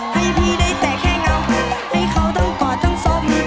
ให้พี่ได้แต่แค่เงาให้เขาทั้งกอดทั้งสม